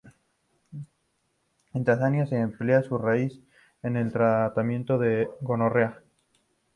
En Tanzania se emplea su raíz en el tratamiento de la gonorrea.